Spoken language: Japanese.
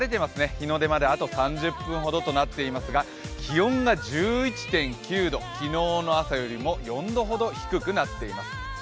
日の出まであと３０分ほどとなっていますが、気温が１１．９度、昨日の朝よりも４度ほど低くなっています。